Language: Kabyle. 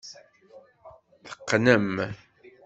Teqqnem.